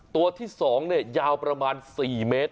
ตัวที่๒ยาวประมาณ๔เมตร